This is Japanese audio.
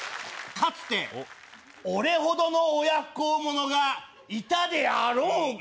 かつて俺ほどの親不孝者がいたであろうか？